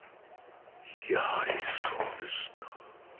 やはりそうですか。